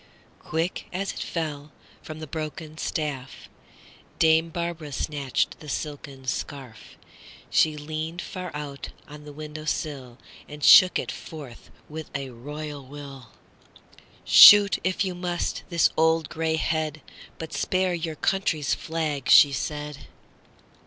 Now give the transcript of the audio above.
Quick, as it fell, from the broken staffDame Barbara snatched the silken scarf; She leaned far out on the window sill, And shook it forth with a royal will."Shoot, if you must, this old gray head, But spare your country's flag," she said.